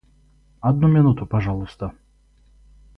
Одну минуту, пожалуйста.